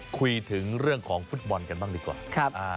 คุยถึงเรื่องของฟุตบอลกันบ้างดีกว่า